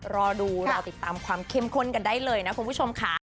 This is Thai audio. รอดูรอติดตามความเข้มข้นกันได้เลยนะคุณผู้ชมค่ะ